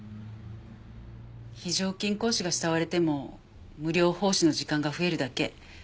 非常勤講師が慕われても無料奉仕の時間が増えるだけ。